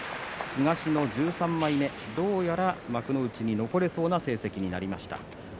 東の１３枚目、どうやら幕内に残れそうな成績になりました。